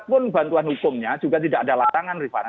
walaupun bantuan hukumnya juga tidak ada latangan riffana